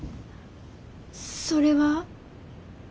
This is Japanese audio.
それは？